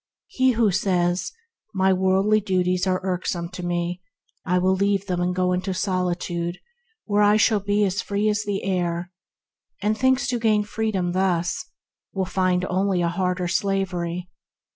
He who says, "My worldly duties are irksome to me; I will leave them and go into solitude, where I shall be as free as the air," thinking to gain freedom thus, will find only a harder slavery.